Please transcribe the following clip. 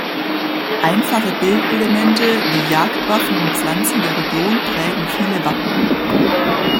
Einfache Bildelemente, wie Jagdwaffen und Pflanzen der Region prägen viele Wappen.